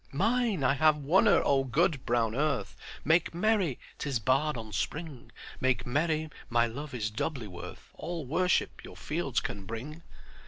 'Mine! I have won her O good brown earth, Make merry! 'Tis bard on Spring; Make merry; my love is doubly worth All worship your fields can bring!